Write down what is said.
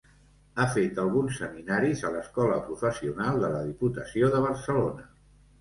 Ha fet alguns seminaris a l'Escola Professional de la Diputació de Barcelona.